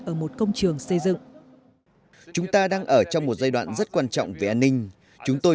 ở một công trường xây dựng chúng ta đang ở trong một giai đoạn rất quan trọng về an ninh chúng tôi